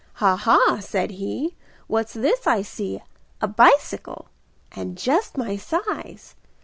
"Ha! Ha!" said he, "What's this I see, A bicycle! and just my size!